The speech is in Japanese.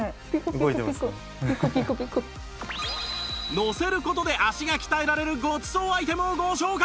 乗せる事で足が鍛えられるごちそうアイテムをご紹介！